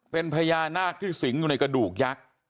เป็นพญานาคที่สิงอยู่ในกระดูกยักษ์